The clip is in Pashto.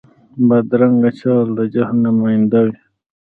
بدرنګه چال د جهل نماینده وي